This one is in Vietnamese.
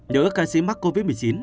nữ ca sĩ mắc covid một mươi chín